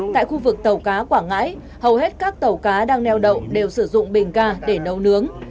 tại khu vực tàu cá quảng ngãi hầu hết các tàu cá đang neo đậu đều sử dụng bình ga để nấu nướng